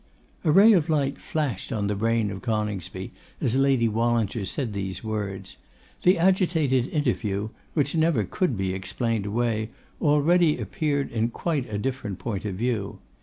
A ray of light flashed on the brain of Coningsby as Lady Wallinger said these words. The agitated interview, which never could be explained away, already appeared in quite a different point of view.